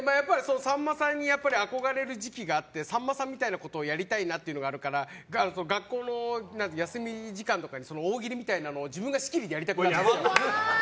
さんまさんに憧れる時期があってさんまさんみたいなことをやりたいなっていうのがあるから学校の休み時間とかに大喜利みたいなのを自分が仕切りでやりたくなるんですよ。